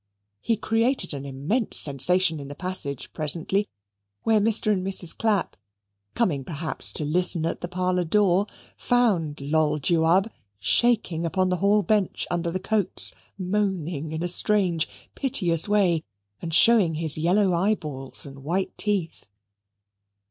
He created an immense sensation in the passage presently, where Mrs. and Miss Clapp, coming perhaps to listen at the parlour door, found Loll Jewab shaking upon the hall bench under the coats, moaning in a strange piteous way, and showing his yellow eyeballs and white teeth.